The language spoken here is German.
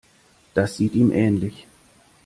Das sieht ihm ähnlich.